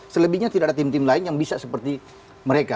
selebihnya tidak ada tim tim lain yang bisa seperti mereka